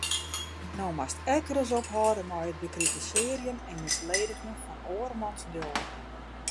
No moatst ek ris ophâlde mei it bekritisearjen en misledigjen fan oarmans leauwen.